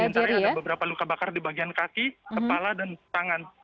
di antaranya ada beberapa luka bakar di bagian kaki kepala dan tangan